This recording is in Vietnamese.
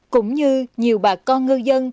cũng như nhiều bà con ngư dân